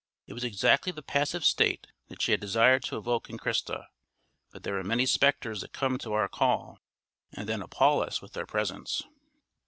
It was exactly the passive state that she had desired to evoke in Christa; but there are many spectres that come to our call and then appal us with their presence!